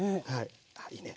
あいいね。